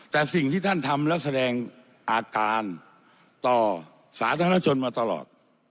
แต่สิ่งที่ท่านทำและแสดงอาการต่อสาธารณชนมาตลอด